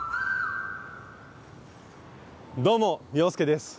どうも洋輔です。